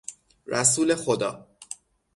رسول خدا